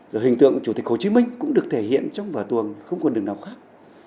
rồi hình tượng chủ tịch hồ chí minh cũng được thể hiện trong vở tuồng không còn đường nào khác